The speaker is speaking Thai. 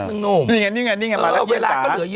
นึงหนูนี่ไงนี่ไงโอ้เวลาก็เหลือเยอะ